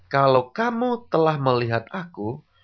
kalau kamu telah melihat aku